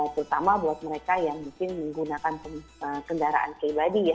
terutama buat mereka yang mungkin menggunakan kendaraan pribadi ya